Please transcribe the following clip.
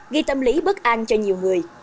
gây tâm lý bất an cho nhiều người